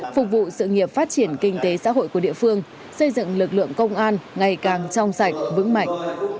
phục vụ sự nghiệp phát triển kinh tế xã hội của địa phương xây dựng lực lượng công an ngày càng trong sạch vững mạnh